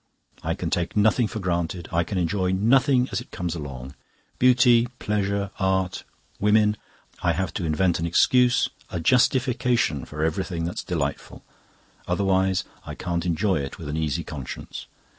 I can take nothing for granted, I can enjoy nothing as it comes along. Beauty, pleasure, art, women I have to invent an excuse, a justification for everything that's delightful. Otherwise I can't enjoy it with an easy conscience.